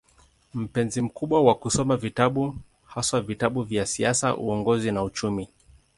Mpenzi mkubwa wa kusoma vitabu, haswa vitabu vya siasa, uongozi na uchumi.